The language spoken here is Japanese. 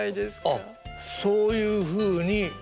あっそういうふうにやれと。